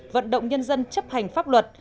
vận động nhân dân chấp hành pháp luật